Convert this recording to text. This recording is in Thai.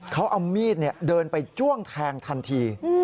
เขาเอามีดเดินไปจ้วงแทงทันที